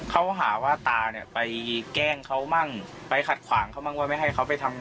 เขาหาว่าตาเนี่ยไปแกล้งเขามั่งไปขัดขวางเขาบ้างว่าไม่ให้เขาไปทำงาน